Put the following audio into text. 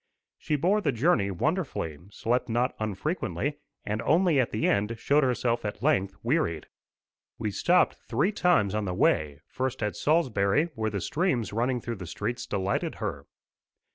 She bore the journey wonderfully, slept not unfrequently, and only at the end showed herself at length wearied. We stopped three times on the way: first at Salisbury, where the streams running through the streets delighted her.